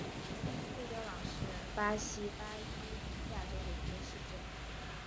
佩德朗是巴西巴伊亚州的一个市镇。